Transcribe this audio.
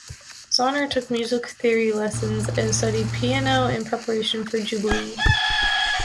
Zauner took music theory lessons and studied piano in preparation for "Jubilee".